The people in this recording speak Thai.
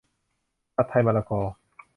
ผัดไทยมะละกอ